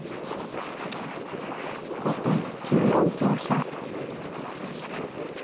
後手９四香車。